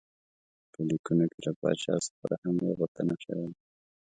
په لیکونو کې له پاچا څخه د حملې غوښتنه شوې وه.